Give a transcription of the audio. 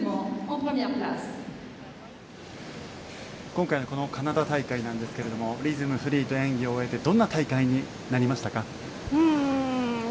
今回のこのカナダ大会なんですがリズム、フリーと演技を終えてどんな大会になりましたか？